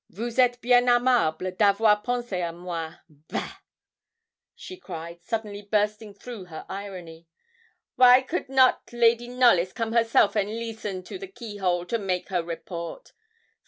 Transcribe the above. Vous êtes bien aimable d'avoir pensé à moi. Bah!' she cried, suddenly bursting through her irony. 'Wy could not Lady Knollys come herself and leesten to the keyhole to make her report?